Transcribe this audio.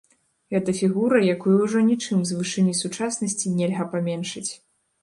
Гэта фігура, якую ўжо нічым з вышыні сучаснасці нельга паменшыць.